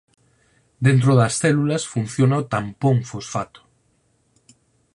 Dentro das células funciona o tampón fosfato.